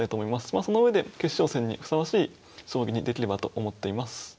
まあその上で決勝戦にふさわしい将棋にできればと思っています。